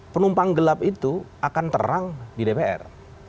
penumpang gelap itu akan terang di dpr